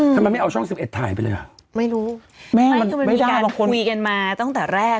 ทำไมไม่เอาช่องสิบเอ็ดถ่ายไปเลยอ่ะไม่รู้แม่มันมีการคุยกันมาตั้งแต่แรก